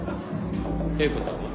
英子さんは？